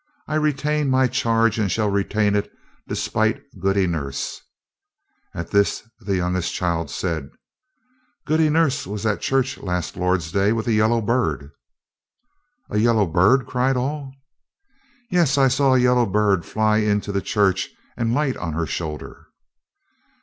I retain my charge and shall retain it, despite Goody Nurse." At this the youngest child said: "Goody Nurse was at church last Lord's day with a yellow bird." "A yellow bird?" cried all. "Yes; I saw a yellow bird fly into the church and light on her shoulder."